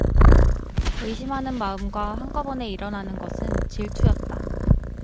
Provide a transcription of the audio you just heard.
의심하는 마음과 한꺼번에 일어나는 것은 질투였다.